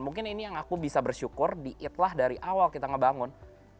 mungkin ini yang aku bisa bersyukur di itlah dari awal kita ngebangun